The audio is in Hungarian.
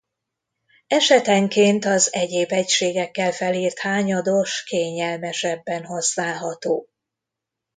Esetenként az egyéb egységekkel felírt hányados kényelmesebben használható.